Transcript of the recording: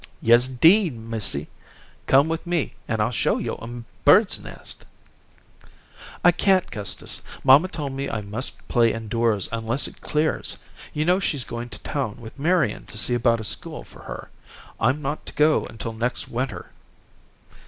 "Yes, 'deed, missy. Come with me, an' I'll show yo' a bird's nest." "I can't, Gustus. Mamma told me I must play indoors unless it clears. You know she's gone to town with Marian to see about a school for her. I'm not to go until next winter.